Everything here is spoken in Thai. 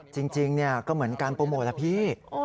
จริงก็เหมือนการโปรโมทล่ะพี่